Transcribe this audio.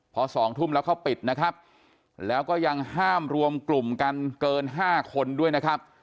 พอ๒ทุ่มแล้วเขาปิดนะครับแล้วก็ยังห้ามรวมกลุ่มกันเกิน๕คนด้วยนะครับ